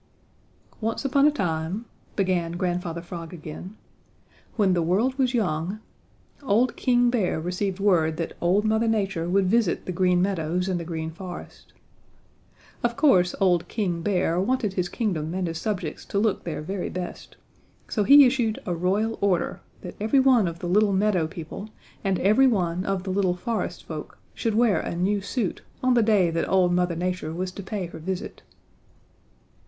"Once upon a time," began Grandfather Frog again, "when the world was young, old King Bear received word that old Mother Nature would visit the Green Meadows and the Green Forest. Of course old King Bear wanted his kingdom and his subjects to look their very best, so he issued a royal order that every one of the little meadow people and every one of the little forest folk should wear a new suit on the day that old Mother Nature was to pay her visit.